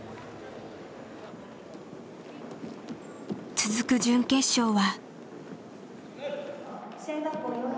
続く準決勝は。